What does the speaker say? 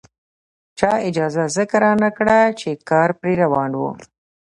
چا اجازه ځکه رانکړه چې کار پرې روان وو.